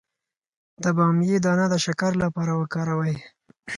د بامیې دانه د شکر لپاره وکاروئ